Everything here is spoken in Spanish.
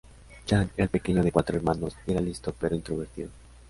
Yang era el pequeño de cuatro hermanos, y era listo pero introvertido.